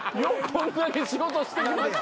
こんなに仕事してきましたね。